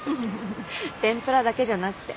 てんぷらだけじゃなくて。